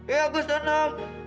iya aku senang